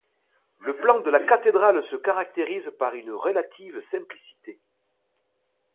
Le plan de la cathédrale se caractérise par une relative simplicité.